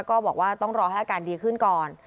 ก็บอกว่าต้องรอให้อาการดีขึ้นก่อน